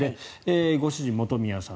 ご主人は本宮さん。